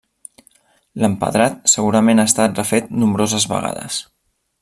L'empedrat segurament ha estat refet nombroses vegades.